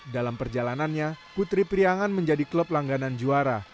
dalam perjalanannya putri priangan menjadi klub langganan juara